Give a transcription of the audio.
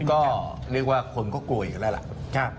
ก็เรียกว่าคนก็กลัวอีกแล้วล่ะ